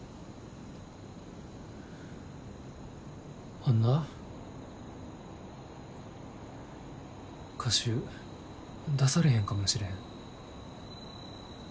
あんな歌集、出されへんかもしれん。